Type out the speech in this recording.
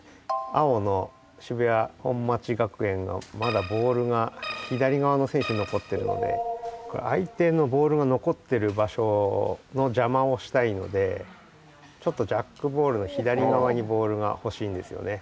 青の渋谷本町学園がまだボールが左がわの選手にのこってるので相手のボールがのこってる場所のじゃまをしたいのでジャックボールの左がわにボールがほしいんですよね。